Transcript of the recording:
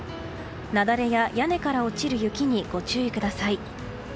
雪崩や屋根から落ちる雪にご注意ください。